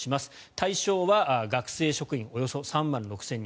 対象は学生・職員およそ３万６０００人。